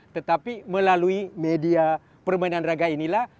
tetapi melalui media permainan raga inilah